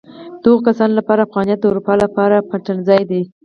د هغو کسانو لپاره افغانیت د اروپا لپاره پټنځای دی.